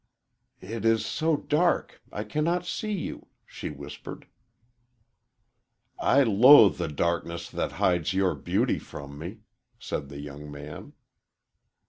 "It is so dark I cannot see you," she whispered. "I loathe the darkness that hides your beauty from me," said the young man.